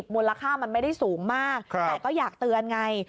มูลค่ามันไม่ได้สูงมากแต่ก็อยากเตือนไง